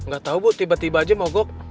nggak tahu bu tiba tiba aja mogok